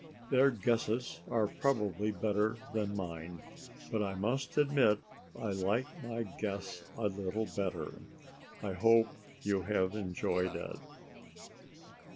Their guesses are probably better than mine. But I must admit I like my guess a little better. I hope you have enjoyed it.